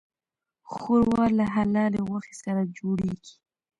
ښوروا له حلالې غوښې سره جوړیږي.